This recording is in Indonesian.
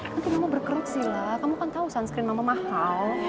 nanti mama berkerut sih lah kamu kan tahu sunscreen mama mahal